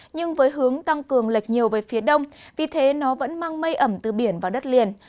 nhưng với hướng tăng cường lệch nhiều về phía đông vì thế nó vẫn mang mây ẩm từ biển vào đất liền